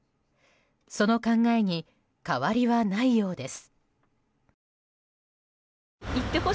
その考えに変わりはないようです。